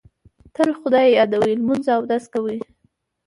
تل خدای یادوي، لمونځ اودس کوي.